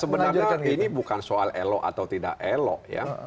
sebenarnya ini bukan soal elok atau tidak elok